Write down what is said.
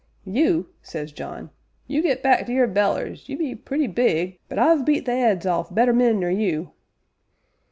'You?' says John, 'you get back to your bellers you be purty big, but I've beat the 'eads off better men nor you!'